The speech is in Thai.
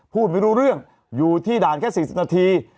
พูดไม่รู้เรื่องอยู่ที่ด่านแค่๔๐นาที